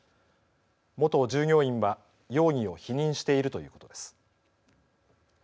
元従業員は容疑を否認しているということです。